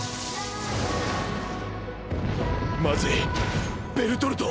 まずいベルトルト！！